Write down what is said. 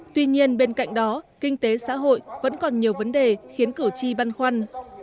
tuy nhiên bên cạnh đó kinh tế xã hội vẫn còn nhiều vấn đề khiến cử tri băn khoăn